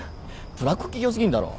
ブラック企業過ぎんだろ。